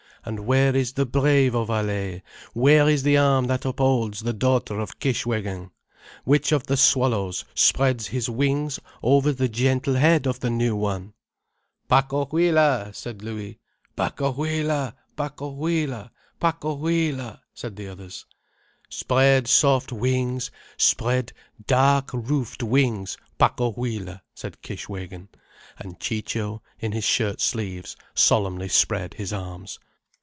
"And where is the brave of Allaye, where is the arm that upholds the daughter of Kishwégin, which of the Swallows spreads his wings over the gentle head of the new one!" "Pacohuila!" said Louis. "Pacohuila! Pacohuila! Pacohuila!" said the others. "Spread soft wings, spread dark roofed wings, Pacohuila," said Kishwégin, and Ciccio, in his shirt sleeves solemnly spread his arms.